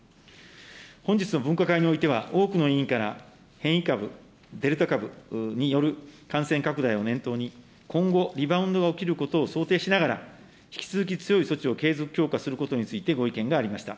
本日の分科会においては多くの委員から変異株、デルタ株による感染拡大を念頭に、今後リバウンドが起きることを想定しながら、引き続き強い措置を継続強化することについてご意見がありました。